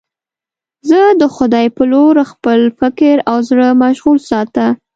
زه د خدای په لور خپل فکر او زړه مشغول ساته.